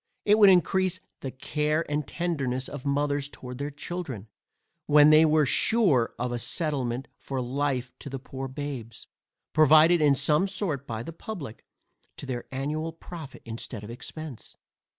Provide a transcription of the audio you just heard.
It would encrease the care and tenderness of mothers towards their children, when they were sure of a settlement for life to the poor babes, provided in some sort by the publick, to their annual profit instead of expence.